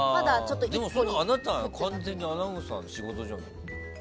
あなた、完全にアナウンサーの仕事じゃん。